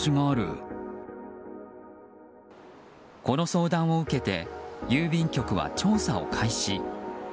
この相談を受けて郵便局は調査を開始。